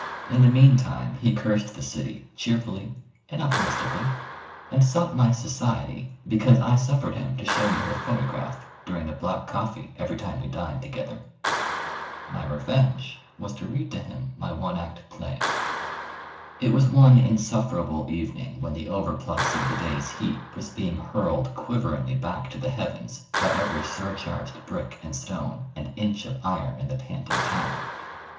In the meantime, he cursed the city cheerfully and optimistically, and sought my society because I suffered him to show me her photograph during the black coffee every time we dined together. My revenge was to read to him my one act play. It was one insufferable evening when the overplus of the day's heat was being hurled quiveringly back to the heavens by every surcharged brick and stone and inch of iron in the panting town.